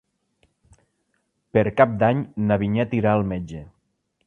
Per Cap d'Any na Vinyet irà al metge.